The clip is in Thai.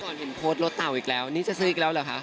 เห็นโพสต์รถเต่าอีกแล้วนี่จะซื้ออีกแล้วเหรอคะ